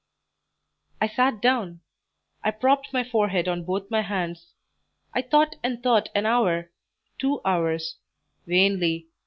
I sat down; I propped my forehead on both my hands; I thought and thought an hour two hours; vainly.